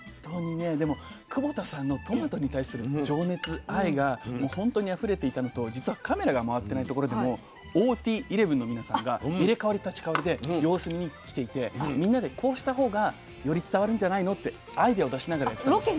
窪田さんのトマトに対する情熱愛がもう本当にあふれていたのとじつはカメラが回ってないところでもＯ・Ｔ・１１の皆さんが入れ代わり立ち代わりで様子見に来ていてみんなでこうしたほうがより伝わるんじゃないのってアイデアを出しながらやってたんですよね。